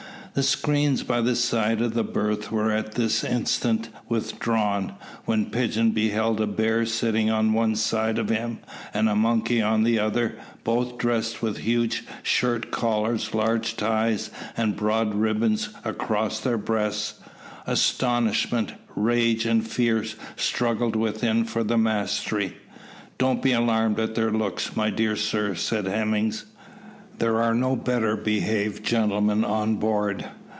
The screens by the side of the berth were at this instant withdrawn, when Pigeon beheld a bear sitting on one side of him, and a monkey on the other, both dressed with huge shirt collars, large ties, and broad ribbons across their breasts. Astonishment, rage, and fear struggled within for the mastery. "Don't be alarmed at their looks, my dear sir," said Hemming. "There are no better behaved gentlemen on board.